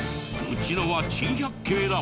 うちのは珍百景だ！」。